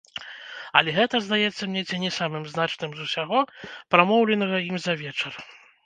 Але гэта здаецца мне ці не самым значным з усяго, прамоўленага ім за вечар.